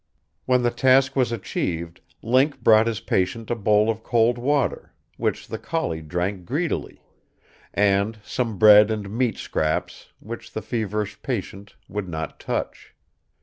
When the task was achieved Link brought his patient a bowl of cold water which the collie drank greedily and some bread and meat scraps which the feverish patient would not touch.